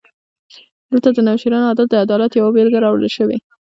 دلته د نوشیروان عادل د عدالت یوه بېلګه راوړل شوې.